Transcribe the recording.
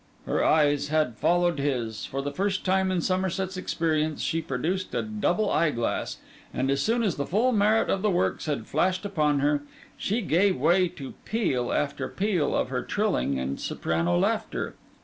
Her eyes had followed his; for the first time in Somerset's experience, she produced a double eye glass; and as soon as the full merit of the works had flashed upon her, she gave way to peal after peal of her trilling and soprano laughter.